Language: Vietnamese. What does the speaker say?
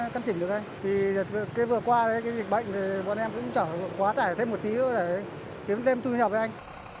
cân chỉnh được anh thì vừa qua cái dịch bệnh thì bọn em cũng chở quá tải thêm một tí nữa để kiếm thêm thu nhập với anh